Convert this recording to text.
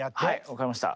分かりました。